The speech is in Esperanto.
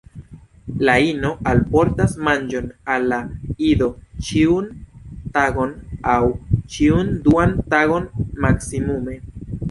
La ino alportas manĝon al la ido ĉiun tagon aŭ ĉiun duan tagon maksimume.